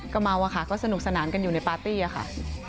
ก็เมาอะค่ะก็สนุกสนานกันอยู่ในปาร์ตี้ค่ะ